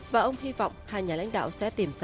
và ông hy vọng hai nhà lãnh đạo sẽ tìm ra